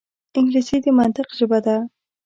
انګلیسي د منطق ژبه ده